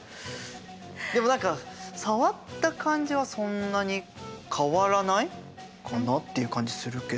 でも何か触った感じはそんなに変わらないかなっていう感じするけど。